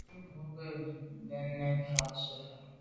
Nku boa mbu ke bèn nefà’ tshob fà’.